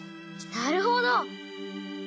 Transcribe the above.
なるほど！